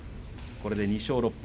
これで２勝６敗。